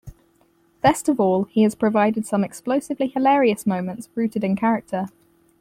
Best of all, he has provided some explosively hilarious moments rooted in character.